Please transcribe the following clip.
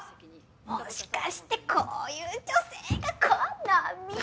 もしかしてこういう女性がこのみ？